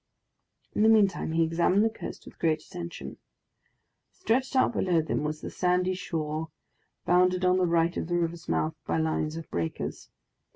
In the meantime he examined the coast with great attention. Stretched out below them was the sandy shore, bounded on the right of the river's mouth by lines of breakers.